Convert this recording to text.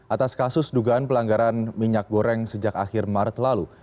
atas kasus dugaan pelanggaran minyak goreng sejak akhir maret lalu